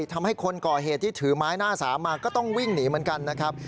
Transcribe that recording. ทำให้คนก่อเหตุที่ถือไม้หน้าสามมาก็ต้องวิ่งหนีเหมือนกันนะครับ